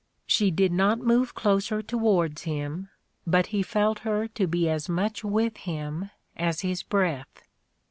... She did not move closer towards him, but he felt her to be as much with him as his breath.